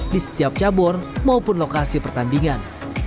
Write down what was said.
di setiap cabur maupun lokasi pertandingan